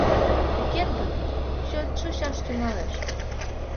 Тӱкет гын, чот шочаш тӱҥалеш.